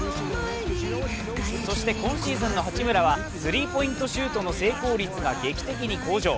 そして今シーズンの八村はスリーポイントシュートの成功率が劇的に向上。